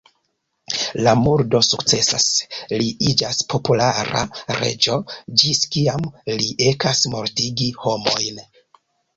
La murdo sukcesas, li iĝas populara reĝo, ĝis kiam li ekas mortigi homojn.